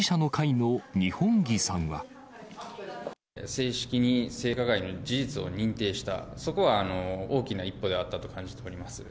正式に性加害の事実を認定した、そこは大きな一歩ではあったと感じております。